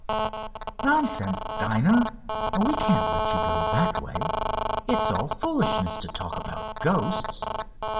"Nonsense, Dinah! We can't let you go that way. It's all foolishness to talk about ghosts.